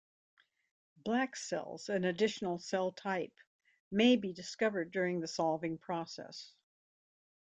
"Black" cells, an additional cell type, may be discovered during the solving process.